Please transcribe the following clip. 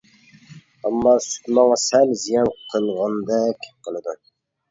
ئەمما سۈت ماڭا سەل زىيان قىلغاندەك قىلىدۇ.